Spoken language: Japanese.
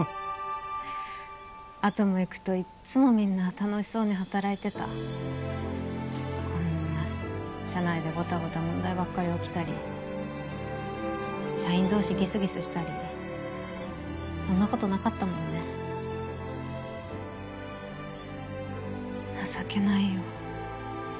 アトム行くといっつもみんな楽しそうに働いてたこんな社内でゴタゴタ問題ばっかり起きたり社員同士ギスギスしたりそんなことなかったもんね情けないよ